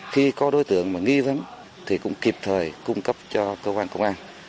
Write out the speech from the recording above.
khi có đối tượng nghi vấn thì cũng kịp thời cung cấp cho công an